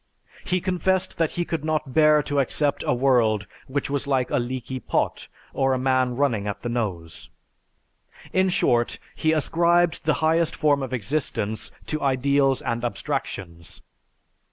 He confessed that he could not bear to accept a world which was like a leaky pot or a man running at the nose. In short, he ascribed the highest form of existence to ideals and abstractions.